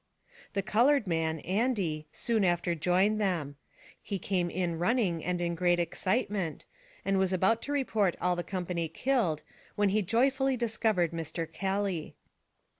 The colored man, Andy, soon after joined them. He came in running and in great excitement, and was about to report all the company killed, when he joy fully discovered Mr. Kelly.